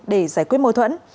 để giải quyết mối thuẫn